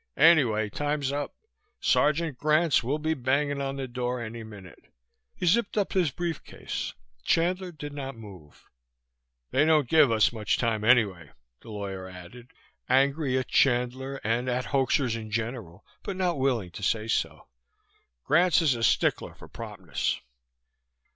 Anyway, time's up; Sergeant Grantz will be banging on the door any minute." He zipped up his briefcase. Chandler did not move. "They don't give us much time anyway," the lawyer added, angry at Chandler and at hoaxers in general but not willing to say so. "Grantz is a stickler for promptness."